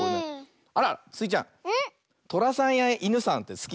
あらスイちゃんとらさんやいぬさんってすき？